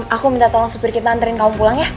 aku minta tolong supir kita anterin kamu pulang ya